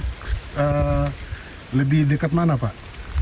terus lebih dekat mana pak